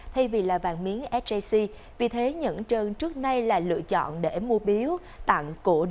thay vì là vàng miếng sjc vì thế nhẫn trơn trước nay là lựa chọn để mua biếu tặng của